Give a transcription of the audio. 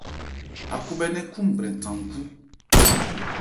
Ákhúbhɛ́nɛ́n khúúnbrɛn than nkhú.